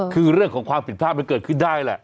คือเรื่องของความผิดพลาดมันเกิดขึ้นได้แหละ